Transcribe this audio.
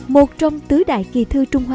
một trong tứ đại kỳ thư trung hoa